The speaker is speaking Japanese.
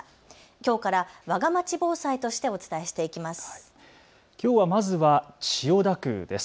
きょうから、わがまち防災としてお伝えしていきます。